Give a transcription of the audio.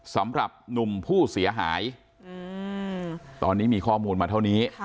สำหรับหนุ่มผู้เสียหายตอนนี้มีข้อมูลมาเท่านี้